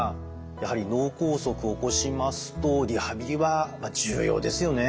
やはり脳梗塞を起こしますとリハビリは重要ですよね。